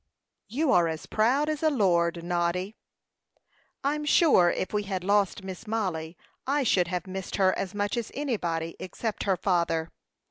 "You are as proud as a lord, Noddy." "I'm sure, if we had lost Miss Mollie, I should have missed her as much as anybody, except her father.